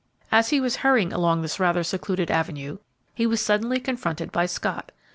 As he was hurrying along this rather secluded avenue, he was suddenly confronted by Scott.